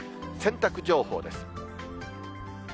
洗濯情報です。